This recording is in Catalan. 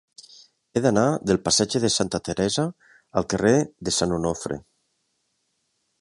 He d'anar del passatge de Santa Teresa al carrer de Sant Onofre.